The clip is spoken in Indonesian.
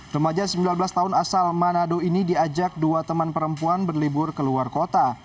remaja sembilan belas tahun asal manado ini diajak dua teman perempuan berlibur ke luar kota